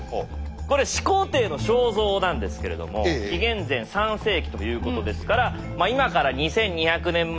これ始皇帝の肖像なんですけれども紀元前３世紀ということですから今から２，２００年前。